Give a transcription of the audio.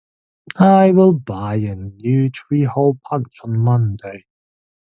I will buy a new three-hole punch on Monday.